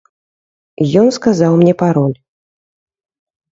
Ён сказаў мне пароль.